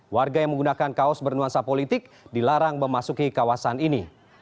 warga yang menggunakan kaos bernuansa politik dilarang memasuki kawasan ini